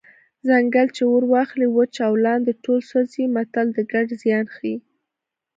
ځنګل چې اور واخلي وچ او لانده ټول سوځي متل د ګډ زیان ښيي